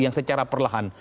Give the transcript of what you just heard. yang secara perlahan